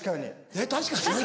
えっ確かに？